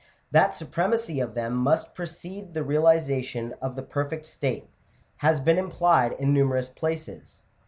That supremacy of them must precede the realization of the perfect state, has been implied in nume rous places.